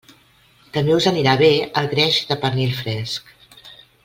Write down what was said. També us anirà bé el greix de pernil fresc.